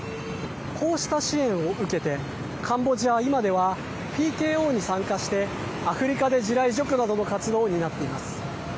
こうした支援を受けてカンボジアは今ではＰＫＯに参加してアフリカで地雷除去などの活動を担っています。